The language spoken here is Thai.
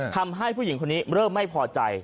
ทำให้ผู้หญิงคนนี้เริ่มไม่พอใจ